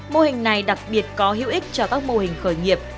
mô hình này đặc biệt có hữu ích cho các mô hình khởi nghiệp